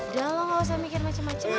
udah lo gak usah mikir macem macem